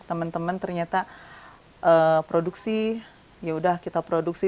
teman teman ternyata produksi ya udah kita produksi